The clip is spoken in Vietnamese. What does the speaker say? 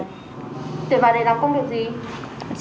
tuyển vào để làm công việc gì